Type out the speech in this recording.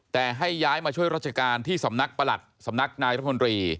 แต่ให้ย้ายมาช่วยราชการที่สำนักประหลัดสำนักนายรัฐมนตรี